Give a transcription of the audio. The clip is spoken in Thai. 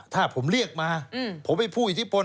ถ้าผมเรียกมาผมเป็นผู้อิทธิพล